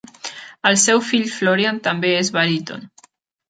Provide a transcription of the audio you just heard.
El seu fill Florian també és baríton.